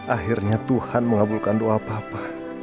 akhirnya tuhan mengabulkan doa papa